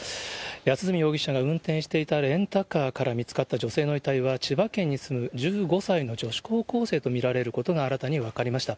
安栖容疑者が運転していたレンタカーから見つかった女性の遺体は、千葉県に住む１５歳の女子高校生と見られることが新たに分かりました。